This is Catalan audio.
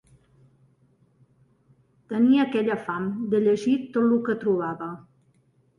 Tenia aquella fam de llegir tot lo que trobava